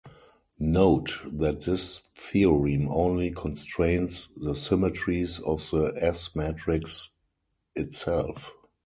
Note that this theorem only constrains the symmetries of the S-matrix itself.